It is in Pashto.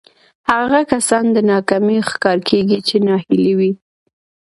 هغه کسان د ناکامۍ ښکار کېږي چې ناهيلي وي.